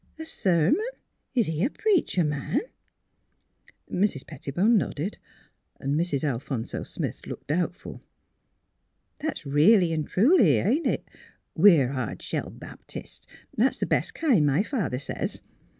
" A sermon f Is he a preacher man? " Mrs. Pettibone nodded. Mrs. Alphonso Smith looked doubtful. " That's really an' truly, isn't it? "We're hard shell Baptists. That's the best kind, my father says."